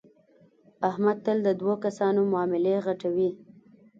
احمد تل د دو کسانو معاملې غټوي.